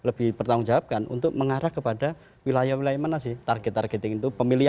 hasil survei memberi petunjuk secara betul untuk mengarah kepada wilayah wilayah mana sih target targeting itu